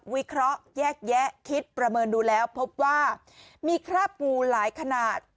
วิเคราะห์แยกแยะคิดประเมินดูแล้วพบว่ามีคราบงูหลายขนาด